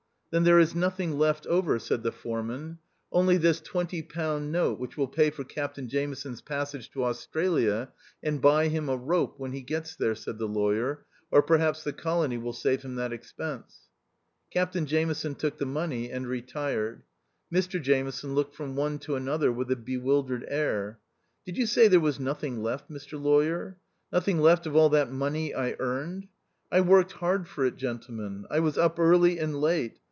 Then there is nothing left over," said the THE OUTCAST. 179 foreman ?" Only this twenty pound note which will pay for Captain Jameson's pass age to Australia, and buy him a rope when he gets there," said the lawyer. " Or perhaps the colony will save him that expense." Captain Jameson took the money and retired. Mr Jameson looked from one to another with a bewildered air. " Did you say there was nothing left, Mr Lawyer ; nothing left of all that money I earned ? I worked hard for it, gentlemen. I was up early and late.